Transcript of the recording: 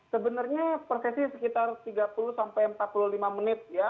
sebenarnya prosesnya sekitar tiga puluh sampai empat puluh lima menit ya